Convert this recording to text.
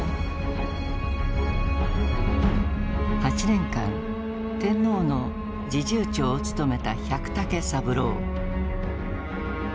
８年間天皇の侍従長を務めた百武三郎。